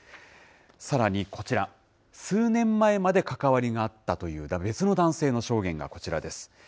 さらにこちら、数年前まで関わりがあったという別の男性の証言がこちらです。